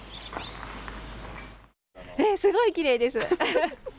すごいきれいです。